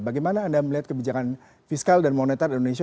bagaimana anda melihat kebijakan fiskal dan moneter indonesia